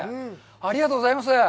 ありがとうございます。